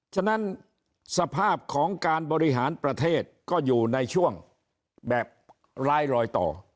ฉะนั้นสภาพของการบริหารประเทศก็อยู่ในช่วงแบบร้ายรอยต่อ